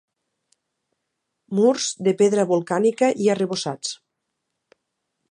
Murs de pedra volcànica i arrebossats.